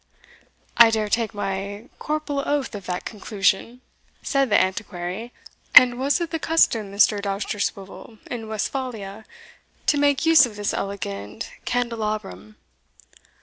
"I dare take my corporal oath of that conclusion," said the Antiquary. "And was it the custom, Mr. Dousterswivel, in Westphalia, to make use of this elegant candelabrum?"